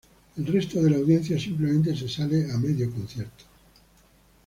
El resto de la audiencia simplemente se sale a medio concierto.